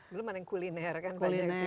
belum ada yang kuliner kan